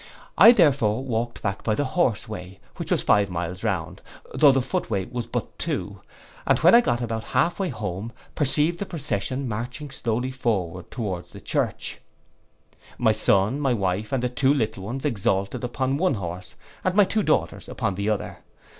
I therefore walked back by the horse way, which was five miles round, tho' the foot way was but two, and when got about half way home, perceived the procession marching slowly forward towards the church; my son, my wife, and the two little ones exalted upon one horse, and my two daughters upon the other.